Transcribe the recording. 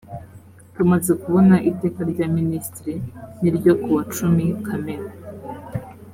tumaze kubona iteka rya minisitiri n ryo kuwa cumi kamena